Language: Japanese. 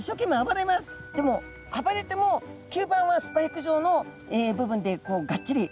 でも暴れても吸盤はスパイク状の部分でがっちり。